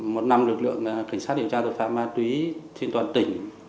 một năm lực lượng cảnh sát điều tra tội phạm ma túy trên toàn tỉnh